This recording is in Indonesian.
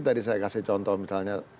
tadi saya kasih contoh misalnya